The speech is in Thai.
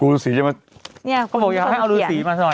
เอารูสีมาเขาบอกอยากให้เอารูสีมาสิหน่อย